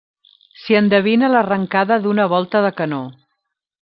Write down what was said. S'hi endevina l'arrencada d'una volta de canó.